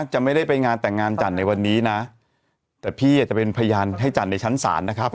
จะไม่ได้ไปงานแต่งงานจันทร์ในวันนี้นะแต่พี่จะเป็นพยานให้จันทร์ในชั้นศาลนะครับ